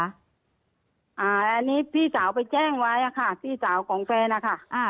อันนี้พี่สาวไปแจ้งไว้ค่ะพี่สาวของแฟนนะคะ